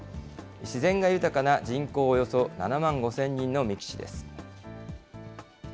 自然が豊かな人口およそ７万５０００人の三木市です。